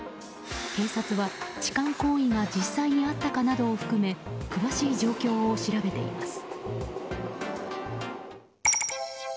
警察は、痴漢行為が実際にあったかなどを含め詳しい状況を調べています。